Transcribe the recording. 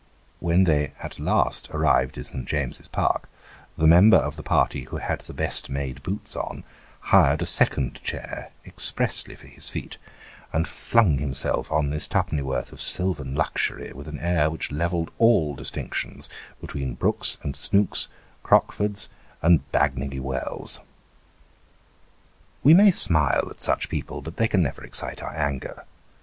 When they at last arrived in Saint James's Park, the member of the party who had the best made boots on, hired a second chair expressly for his feet, and flung himself on this two pennyworth of sylvan luxury with an air which levelled all distinctions between Brookes's and Snooks's, Crockford's and Bagnigge Wells. We may smile at such people, bnt they can never excite our anger.